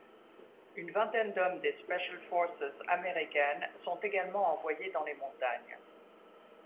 Une vingtaine d'hommes des Special Forces américaines sont également envoyés dans les montagnes.